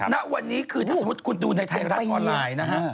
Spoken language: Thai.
ณวันนี้คือถ้าสมมุติคุณดูในไทยรัฐออนไลน์นะฮะ